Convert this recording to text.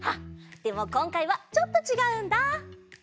でもこんかいはちょっとちがうんだ。